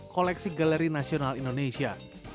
koleksi galeri nasional indonesia